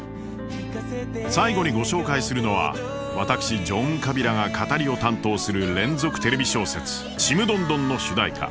最後にご紹介するのは私ジョン・カビラが語りを担当する連続テレビ小説「ちむどんどん」の主題歌。